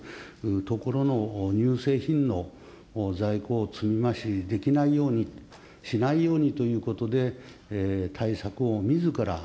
ところの、乳製品の在庫を積み増しできないように、しないようにということで、対策をみずから